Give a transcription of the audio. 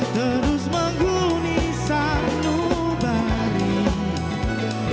terus mengguni sandu balik